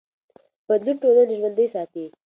بدلون ټولنې ژوندي ساتي